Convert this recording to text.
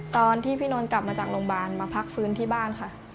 ตอนที่พี่นนท์กลับมาจากโรงพยาบาลมาพักฟื้นที่บ้านค่ะ